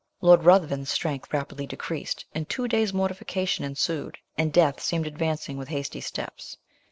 Lord Ruthven's strength rapidly decreased; in two days mortification ensued, and death seemed advancing with hasty steps.